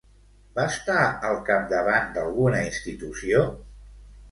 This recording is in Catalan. Va estar al capdavant d'alguna institució?